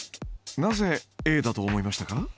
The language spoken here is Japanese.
なぜＡだと思いましたか？